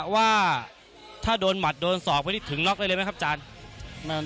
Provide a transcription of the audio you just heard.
กะว่าถ้าโดนหมัดโดนศอกไม่ได้ถึงล็อคได้เลยไหมครับจาน